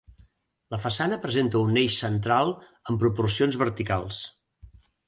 La façana presenta un eix central amb proporcions verticals.